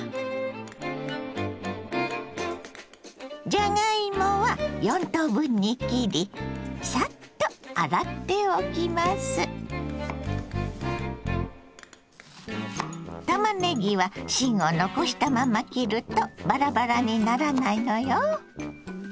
じゃがいもは４等分に切りたまねぎは芯を残したまま切るとバラバラにならないのよ。